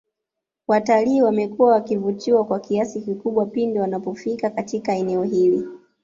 Waltalii wamekuwa wakivutiwa kwa kiasi kikubwa pindi wanapofika Katika eneo hili